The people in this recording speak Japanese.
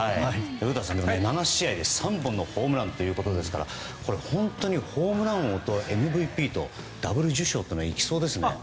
古田さん、７試合で３本のホームランということですから本当にホームラン王とＭＶＰとダブル受賞いきそうですね。